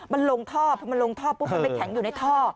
มันลงท่อมันลงท่อพวกมันไม่แข็งอยู่ในท่อ